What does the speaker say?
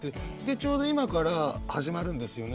ちょうど今から始まるんですよね。